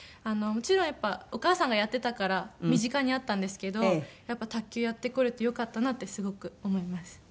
もちろんやっぱりお母さんがやってたから身近にあったんですけどやっぱり卓球やってこられてよかったなってすごく思います。